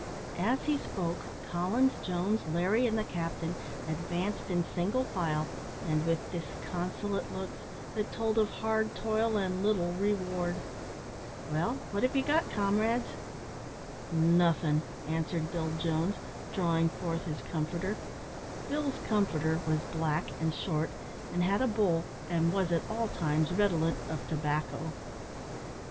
As he spoke, Collins, Jones, Larry, and the captain advanced in single file, and with disconsolate looks, that told of hard toil and little reward. "Well, what have you got, comrades?" "Nothin'," answered Bill Jones, drawing forth his comforter. Bill's comforter was black and short, and had a bowl, and was at all times redolent of tobacco.